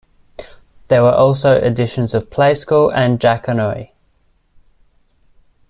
There were also editions of "Play School" and "Jackanory".